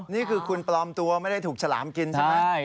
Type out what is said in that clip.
นี่คือคุณปลอมตัวไม่ได้ถูกฉลามกินใช่ไหม